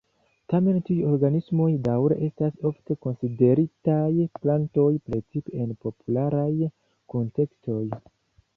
Tamen, tiuj organismoj daŭre estas ofte konsideritaj plantoj, precipe en popularaj kuntekstoj.